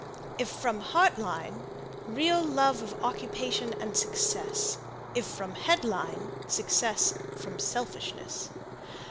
If from Heart Line, real love of occupation and success; if from Head Line, success from selfishness.